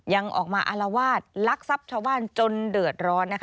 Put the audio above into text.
ยังออกมาอลวาดลักษับชาวว่านจนเดือดร้อน